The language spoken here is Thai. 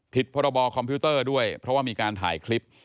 พรบคอมพิวเตอร์ด้วยเพราะว่ามีการถ่ายคลิป